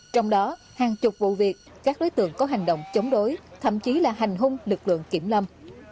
trong đó hàng chục vụ việc các đối tượng có hành động chống đối thậm chí là hành hung lực lượng kiểm lâm